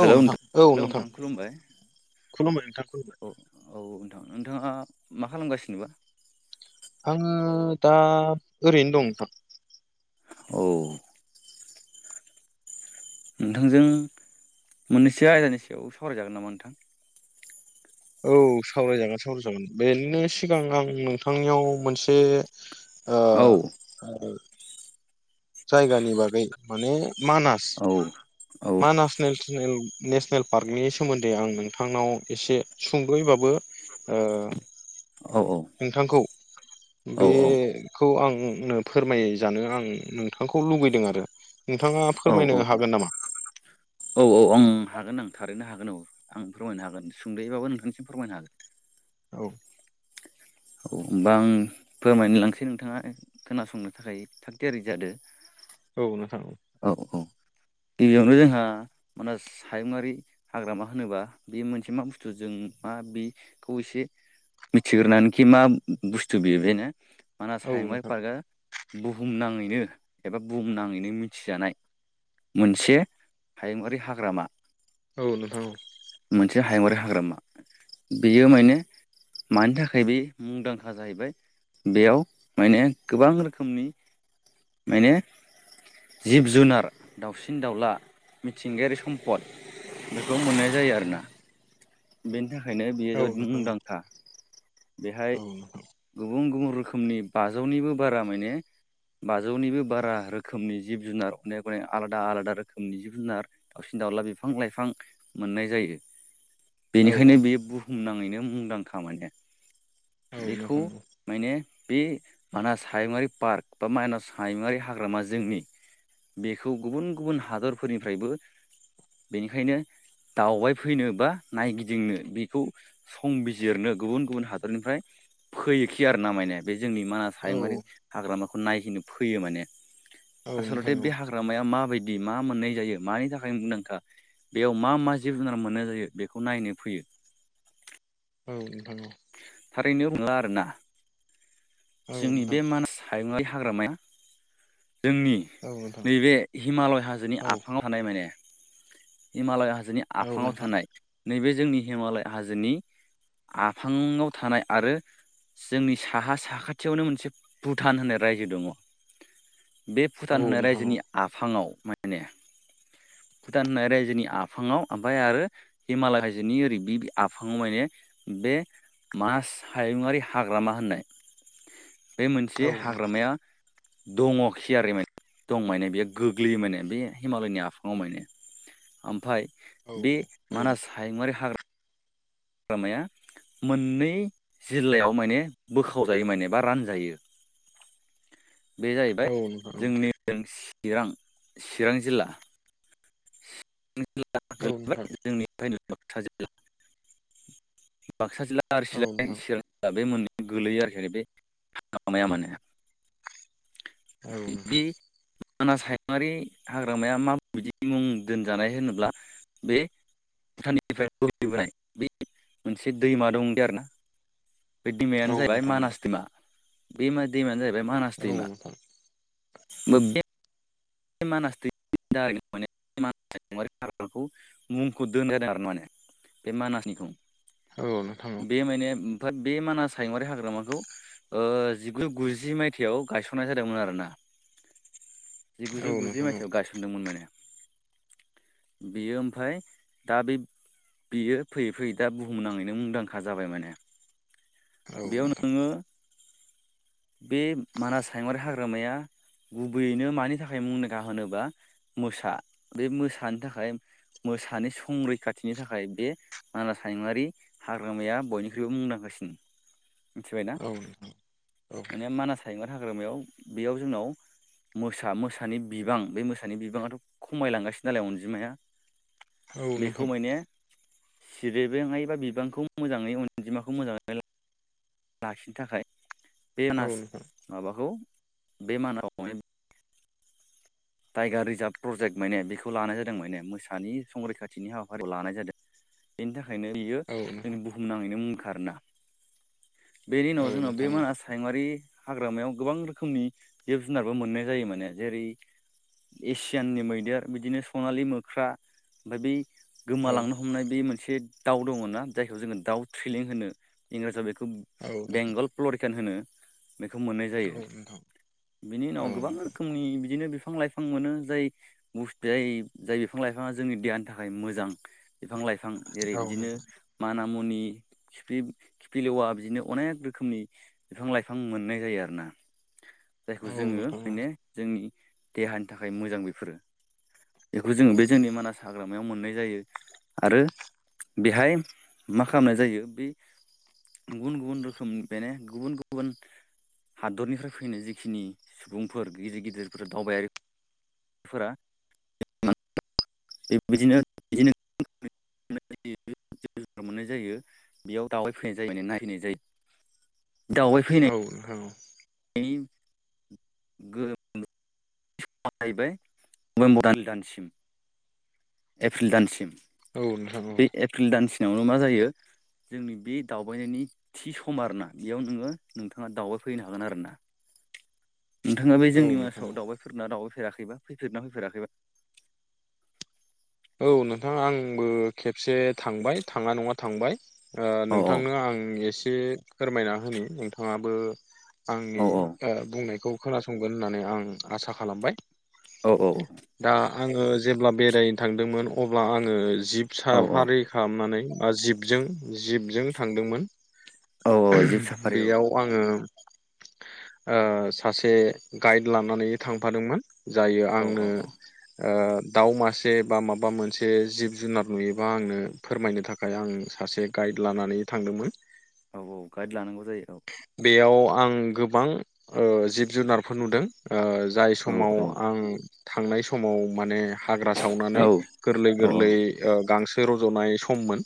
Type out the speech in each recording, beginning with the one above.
औ हेल' नोंथां नों औ हेल' नोंथां खुलुमबाय खुलुमबाय नोंथां खुलुमबाय औ औ नोंथां नोंथाङा मा खालामगासिनोबा आङो दा ओरैनो दं नोंथां औ नोंथांजों मोननैसो आयदानि सायाव सावरायजागोन नामा नोंथां औ सावरायजागोन - सावरायजागोन बेनो सिगां आं नोंथांनियाव मोनसे ओ औ जायगानि बागै माने मानास औ औ - मानास नेसनेल नेसनेल पार्कनि सोमोन्दै आं नोंथांनाव एसे सुंदयैबाबो अ औ नोंथांखौ औ बेखौ आंनो फोरमायजानो आं नों- थांखौ लुुबैदों आरो नोंथाङा फोरमायनो औ हागोन नामा औ - औ आं हागोन आं थारैनो हागोन औ आं फोरमायनो हागोन सुंद'यैबाबो नोंथांसिम फोरमायनो हागोन औ औ होनबा आं फोरमायनो लांसै नोंथाङा खोनासंनो थाखाय थागथियारि जादों औ नोंथां औ -औ गिबियावनो जोंहा मानास हायुङारि हाग्रामा होनोबा बे मोनसे मा बुस्थु जों मा बेखौ एसे मिथिग्रानैखि मा बुस्थु बेयो मानास औ हायङायारि नोंथां पार्कआ बुहुम नाङैनो एबा बुहुम नाङैनो मि- थिजानाय मोनसे हायुंआरि हाग्रामा औ नोंथां हायङरारि हाग्रामा बेयो माने मानि थाखाय बे मुंदांखा जाहैबाय बेयाव माने गोबां रोखोमनि माने जिब जुनार दाउसिन दाउला मिथिंगायारि सम्पद बेखौ मोननाय जायो आरोना बेनि थाखायनो बेयो औ जोबोद नोंथां औ मुंदांखा बेहाय औ नोंथां गुबुन गुबुन रोखोमनि बाजौनिबो बारा माने बाजौनिबो बारा रोखोमनि जिब जुनार अनेक अनेक आलादा आलादा रोखोमनि जिब जुनार दावसिन दाउला बिफां लाइफां मोननाय जायो। औ बेनिखायनो बेयो बुहुमनाङैनो मुंदांखा माने औ बेखौ नोंथां माने बे मानास हायुङारि पार्क बा माइन हायुङारि हाग्रामा जोंनि बेखौ गुबुन गुबुन हादरफोरनिफ्रायबो बेनिखायनो दावबाय फैनोबा नायगिदिंनो बेखौ संबिजिरनो गुबुन गुबुन हादरनिफ्राय फैयोखि आरो ना माने बे जोंनि मानास औ हायङारि हाग्रामाखौ नायहिनो फैयो माने औ आसलथे नोंथां बे हाग्रामाया माब बायदि बि मा मोननाय जायो मानि थाखाय मुंदांखा बेयाव मा मा जिब जुनार मोननाय जायो बे खौ नायनो फैयो। औ नोंथां बुंब्ला आरोना औ जोंनि बे मानास हायुङारि हाग्रामाया जोंनि नोंथां नैबे हिमालय हाजोनि औ नोंथां औ आफाङाव थानाय माने हिमालय हाजोनि औ आफाङाव नोंथां थानाय नैबे जोंनि हिमालय हाजोनि आफाङाव थानाय आरो जोंनि साहा साखाथियावनो मोनसे भुटान होननाय रायजो दङ बे भुटान औ होनाय नोंथां रायजोनि आफाङाव माने भुटान होननाय रायजोनि आफाङाव ओमफ्राय आरो हिमालय हायजोनि ओरै बे आफाङाव माने बे मानास हायुङारि हाग्रामा होननाय बे मोनसे औ नोंथां हाग्रामाया दङखि आरो माने दं माने बियो गोग्लैयो माने बे हिमालयनि आफाङाव माने ओमफ्राय औ बे औ मानास हायङुंवारि हाग्रा माया मोननै जिल्लायाव माने बोखावजायो माने बा रानजायो [unintelligible] बे जाहैबाय औ नोंथां जोंनि चिरां चिरां जिल्ला जिला औ नोंथां औ नोंथां गोलैबाय जोंनिफ्रायनो बाक्सा जिल्ला बाक्सा जिल्ला आरो औ चिरां नोंथां जिल्ला बे मोननि गोलैयो आरोखि बेामाया माने औ बे नोंथां मानास हायुंङारि हाग्रामाया मा बिदि मुं दोनजानाय होनोब्ला बे भुटाननिफ्राय बोहैबोनाय बे मोनसे दैमा दं दे आरोना बे औ दैमायानो जाहैबाय नोंथां औ मानास दैमा बे मा दैमायानो जाहैबाय मानास नोंथां औ नोंथां औ नोंथां औ नोंथां औ नोंथां औ नोंथां औ नोंथां दैमा औ नोंथां औ नोंथां औ नोंथां औ नोंथां औ नोंथां औ नोंथां औ नोंथां [unintelligible] बेखौ मुंखौ दोननाय जादों आरो माने बे मानासनिखौ औ नोंथां औ ओम बे मानास हायङरारि हाग्रामाखौ ओ जिगुजौ गुजि मायथाइयाव गायसननाय जादोंमोन आरोना जिगुजौ गुजि मायथाइाव गायसनदोंमोन माने बियो ओमफ्राय दा बे बियो फैयै फैयै दा बुहुमनाङैनो मुंदांखा जाबाय माने बेयाव नोंङो बे मानास हायुङारि हाग्रामाया गुबैयैनो मानि थाखाय मुंदखा होनोबा मोसा बे मोसानि थाखाय मोसानि संरैखाथिनि थाखाय बे मानास हमुङारि हाग्रामाया बयनिख्रुइबो मुंदांखासिन [unintelligible] औ औ माने मानास हायुङारिहाग्रामायाव बेयाव जोंनाव मोसा मोसानि बिबां बे मोसानि बिबाङाथ खमायलांगासिनो दालाय अनजिमाया बेखौ माने सिरिबें बा बिबांखौ मोजांङै अनजिमाखौ मोजांङै ला लाखिनो थाखाय बेनास माबाखौ बे मानाव टाइगार रिजार्भ प्रजेक्ट माने बेखौ लानाय जादों माने मोसानि संरैखाथिनि हाबाफारिखौ लानाय जादों बेनि थाखायनो बियो जोंनि बुहुमनााङैनो मुंखा आरोना बेनि नजों न बे मानास सायमारि हाग्रामायाव गोबां रोखोमनि जिब जुनारबो मोननाय जायो माने जेरै एसियाननि मैदेर बिदिनो सनालि मोख्रा ओमफ्राय बै गोमालांनो हमनाय बे मोनसे दाउ दंङ ना जायखौ जोङो दाउ थ्रिलिं होनो इंराजाव बेखौ बेंगल प्लरिकान होनो बेखौ मोननाय जायो बिनि उनाव गोबां रोखोमनि बिदिनो बिफां लाइफां मोनो जाय बुस जाय जाय बिफां लाइफाङा जोंनि देहानि थाखाय मोजां बिफां लाइफां जेरै बिदिनो माना मुनि खिफि खिफिलेवा बिदिनो अनेख रोखोमनि फिफां लाइफां मोननाय जायो आरो ना जायखौ जोंङो माने जोंनि देहानि थाखाय मोजां बेफोरो बेखौ जोंङो बे जोंनि मानास हाग्रायाव मोननाय जायो आरो बेहाय मा खालामनाय जायो बै गुबुन गुबुन रोखोमनिफ्रायनो गुबुन गुबुन हादरनिफ्राय फैनाय जिखिनि सुबुंफोर गिदिर गिदिरफोर दावबायारि फोरा [unintelligible] बेबायदिनो बिदिनो [unintelligible] जि जुनार मोननाय जायो बेयाव दावबाय फैनाय जायो माने नायहैनाय जायो औ दावबायफैनायनि औ [unintelligible] सम जाहैबाय नभेम्बर दानसिम एप्रिल दानसिम औ नोंथां औ बेवनो मा जायो जोंनि बे दावबायनायनि थि सम आरोना बेयाव नोङो नोंथाङा दावबायफैनो हागोन आरोना। [unintelligible] नोंथाङा बे औ जोंनि औ नोंथां मासाव दावबायफेरबायना दावबायफेराखैबा फैफेरना फैफेराखैबा। औ नोंथाङा आंबो खेबसे थांबाय थांङा नङा थांबाय। ओ औ औ नोंथांनो आं एसे फोरमायना होनि नोंथाङाबो। आंनि औ ओ बुंनायखौ खोनासंगोन होननानै आं आसा खालामबाय। औ -औ-। आंङो जेब्ला बेरायनो थांदोंमोन अब्ला आंङो जिब औ साफारि खामनानै। ओ जिबजों जिबजों थांदोंमोन औ औ जिब साफारि औ बेयाव औ आंङो। ओ सासे गाइड लानानै थांफादोंमोन। जायो आंनो औ औ ओ दाउ मास। से बा माबा मोनसे जिब जुनार नुयोबा आंनो फोरमायनो थाखाय आं सासे गाइड लानानै। थांदोंमोन। औ -औ -गायद लानांगौ। जायो बेयाव आं गोबां ओ जिब -जुनारफोर नुदों। ओ जाय औ समाव औ औ आं थांनाय समाव माने हाग्रा सावनानै औ गोरलै गोरलै औ ओ गांसो रज'नाय सममोन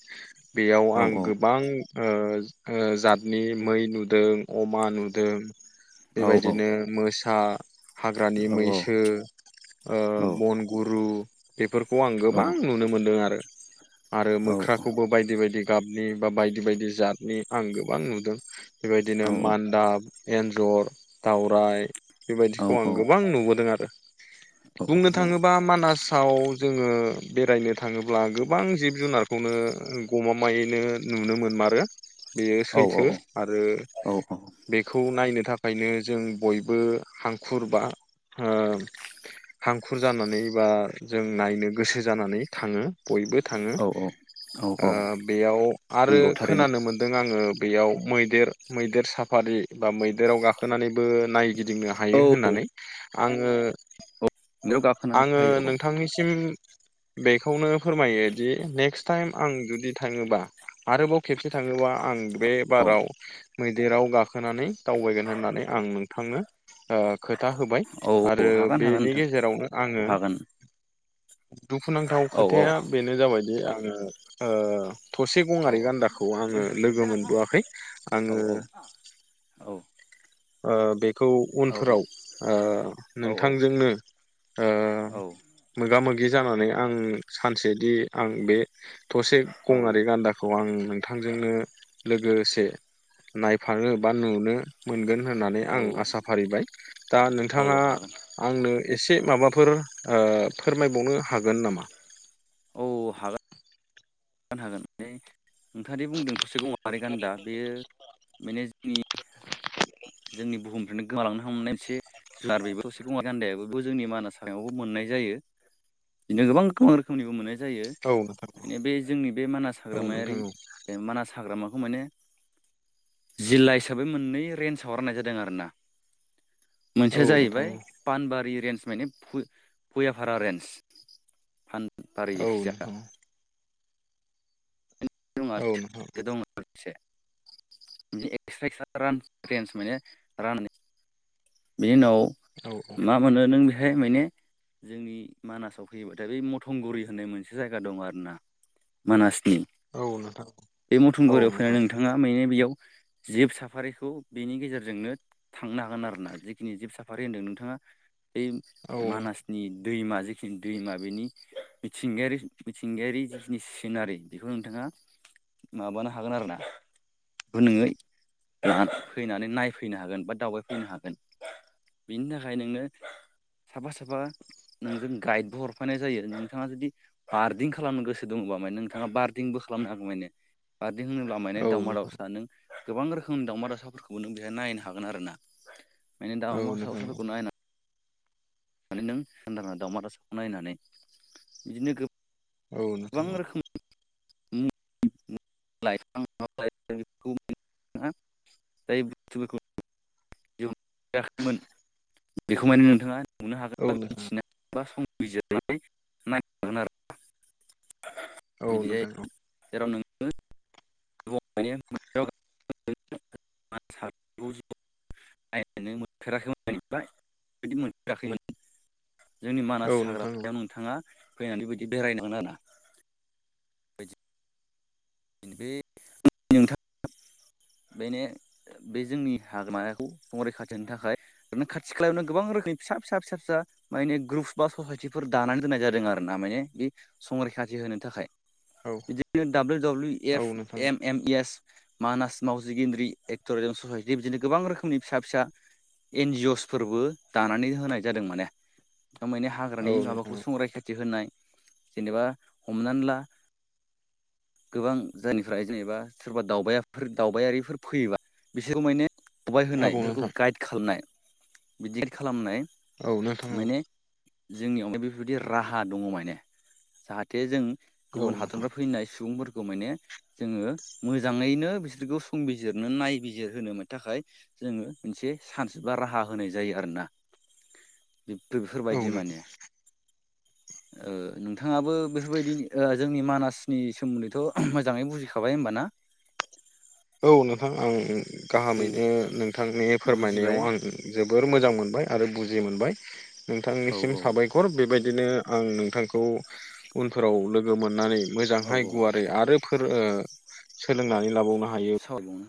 बेयाव आं औ गोबां ओ ओ जातनि मै नुदों अमा नुदों औ औ बेबायदिनो मोसा हाग्रानि नंगौ मैसो ओ बनगुरु बेफोरखौ आं गोबां नुनो मोनदों आरो आरो मोख्राखौबो बायदि बायदि गाबनि बा बायदि बायदि जातनि आं गोबां नुदों। बेबायदिनो मान्दाब एन्जर दाउराइ बेबायदिखौ आं गोबां नुबोदों आरो बुंनो थाङोबा मानासाव जोङो बेरायनो थाङोब्ला गोबां जिब - जुनारखौनो ओ गमामायैनो नुनो मोनमारो बेयो सैथो आरो बेखौ नायनो थाख खायनो जों बयबो हांखुर बा ओ हांखुर जानानै बा जों नायनो गोसो जानानै थाङो बयबो थाङो ओ बेयाव आरो थारैनो खोनानो मोनदों आङो बेयाव मैदेर मैदेर साफारि बा मैदेराव गाखोनानैबो नाय गिदिंनो औ हायो होननानै आङो बेयाव गाखोना आङो हायो औ नोंथांनिसिम बेखौनो फोरमायो दि नेक्स टाइम आं जुदि थाङोबा आरोबाव खेबसे थाङोबा आं दु बे औ बाराव मैदेराव गाखोनानै दावबायगोन होननानै आं नोंथांनो ओ खोथा होबाय औ आरो हागोन हागोन बेनि नोंथां गेजेरावनो आङो हागोन दुखुनांथाव औ औ खोथाया बेनो जाबायदि आं ओ ओ थसे औ गङारि गान्दाखौ आङो लोगो मोनबोआखै औ आङो -औ- औ ओ बेक खौ उनफोराव ओ औ नोंथांजोंनो ओ मोगा मोगि जानानै आं सानसेदि आं बे थसे गङारि गान्दाखौ आं नोंथांजोंनो लोगोसे नायफानो बा नुनो मोनगोन होननानै आं आसा फारिबाय दा नोंथाङा हागोन आंनो एसे माबाफोर ओ फोरमायबावनो हागोन नामा औ हागोन गोन हागोन [unintelligible] नोंथाङादि बुंदों थसे गङारि गान्दा बेयो माने नि जोंनि बुहुमनिफ्रायनो गोमालांनो हमनाय मोनसे सार बेबो थसे गं गान्दायाबो जोंनि मानास हायावबो मोननाय जायो बिदिनो गोबां गोबां रोखोमनिबो मोननाय जायो औ नोंथां [unintelligible] जोंनि बे मानास औ नोंथां हाग्रायारि औ ओ मानास हाग्रामाख खौ माने जिल्ला हिसाबै मोननै रेन्जाव राननाय जादों आरोना मोनसेया औ नोंथां जाहैबाय औ पानबारि रेन्ज माने भुइ भुइयाफारा रेन्ज फान औ [unintelligible] नोंथां औ नोंथां [unintelligible] [unintelligible] बेनि उनाव औ मा मोनो नों बेख हाय माइने जोंनि मानासाव फैयोबाथाय बै मथंगुरि होननाय मोनसे जायगा दं आरो ना मानासनि औ नोंथां बे औ मथंगरियाव फैनानै नोंथां नोंथाङा माने बेयाव जिब साफारिखौ बेनि गेजेरजोंनो थांनो हागोन आरोना जिखिनि जिब साफारि होनदों नोंथाङा बै औ मानासनि दैमा जिखिनि दैमा बेनि मिथिंगायारि मिथिंगायारि जिखिनि सिनारि बेखौ नोंथाङा माबानो हागोन आरो ना नोङो फैनानै नायफैनो हागोन बा दावबायफैनो हागोन बेनि थाखाय नोङो साफा साफा नोंजों गाइडबो हरफानाय जायो नोंथाङा जुदि आरदिं खालामनो गोसो दङ नोंथाङा बार्दिंबो खालामनो हागौ माने बार्दिं होनोब्ला माने नोंथां दाावमा दाउसा नों गोबां रोखोमनि दावउमा दासाफोरखौबो नों बेहाय नायनो हागोन आर ना माने औ दावउमा नोंथां दावसाफोरखौ नायनो माने नों हदाना दाउमा दासाखौ नायनानै बिदिनो औ गोबां नोंथाङो रोखोम लाइफ [unintelligible] [unintelligible] खैमोन बेखौ माने नोंथाङा नुनो हागोन औ बा मिथिनो बा स नायागोन आरो नोंथां औ बिदिाय नोंथां जेराव नों [unintelligible] [unintelligible] [inaudible] [unintelligible] [inaudible] नायनो मोनफेराखैमोन बायदि मोनफेराखैमोन जोंनि औ मानास नोंथां हाग्रामायाव नोंथाङा फैनानै बिदि बेरायनांगोन आरोना बे नोंथाङा बेनो बे जोंनि हाग्राखौ सं रैखाथि होनो थाखाय ओरैनो खाथि खालायावनो गोबां रोखोमनि फिसा फिसा फिसा फिसा माने ग्रुपस बा ससायटिफोर दानानै दोननाय जादों आरो ना माने बे संरैखाथि होनो थाखाय औ बि डाब्लिउ डाब्लिउ औ एफ नोंथां एम एम एस मानास मावजि गेन्द्रि एक्ट'रिजम ससाइटि बिदिनो गोबां रोखोमनि फिसा फिसा एनजिअस फोरबो दानानै होनाय जादों माने थारमाने औ हाग्रानि माबाखौ नोंथां संरायखाथि होनाय जेनेबा हमनानै ला गोबां जायनिफ्राय जेनेबा सोरबा दावबायफोर दावबायारिफोर फैयोबा बिसोरखौ माने दावबाय औ होनाय बेफोरखौ नोंथां गाइद खालामनाय बिदि गाइद खालामनाय औ नोंथां औ माने जोंनियाव बेफोरबायदि राहा दङ माने जाहाथे जों औ गुबुन नोंथां हादरनिफ्राय फैनाय सुबुंफोरखौ माने जोङो मोजाङैनो बिसोरखौ संबिजिरनो नायबिजिर होनो थाखाय जों मोनसे सान्स बा राहा होनाय जायो आरोना बेफोरबायदि माने ओ नोंथाङाबो बेफोरबायदि ओ जोंनि मानासनि सोमोन्दैथ' मोजाङै बुजिखाबाय होमबाना औ नोंथां आं औ गाहामैनो नोंथांनि फोरमायनायाव बुजिबाय आं जोबोर मोजां मोनो मोनबाय आरो बुजि मोनबाय औ नोंथांनिसिम औ साबायखर बेबायदि बिदिनो आं नोंथांखौ उनफोराव लोगो मोननानै औ मोजांहाय गुवारै आरो सो ओ लोंनानै लाबाव सयं